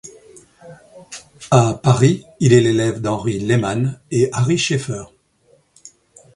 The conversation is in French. À Paris, il est l'élève d'Henri Lehmann et Ary Scheffer.